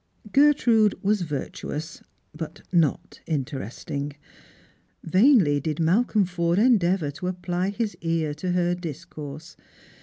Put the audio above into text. Gertrude was virtuous, but not intei esting. _ Vainly did Malcolm Forde endeavour to apply his ear to her discourse.